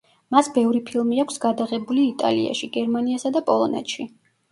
მას ბევრი ფილმი აქვს გადაღებული იტალიაში, გერმანიასა და პოლონეთში.